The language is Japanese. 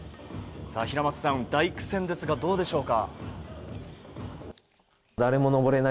平松さん大苦戦ですが、どうでしょうか。